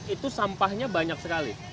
itu sampahnya banyak sekali